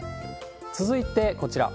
続いてこちら。